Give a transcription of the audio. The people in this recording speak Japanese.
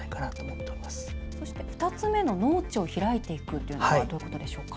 ２つ目の農地を開いていくというのはどういうことでしょうか。